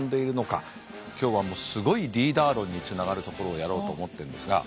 今日はすごいリーダー論につながるところをやろうと思ってるんですが。